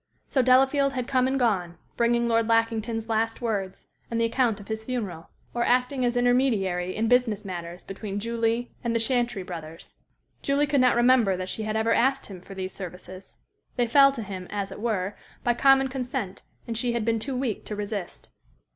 So Delafield had come and gone, bringing Lord Lackington's last words, and the account of his funeral, or acting as intermediary in business matters between Julie and the Chantrey brothers. Julie could not remember that she had ever asked him for these services. They fell to him, as it were, by common consent, and she had been too weak to resist.